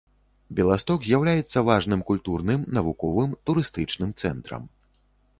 Беласток з'яўляецца важным культурным, навуковым, турыстычным цэнтрам.